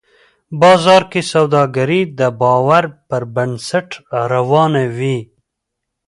بازار کې سوداګري د باور پر بنسټ روانه وي